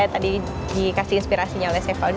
tadi dikasih inspirasinya oleh chef fauzi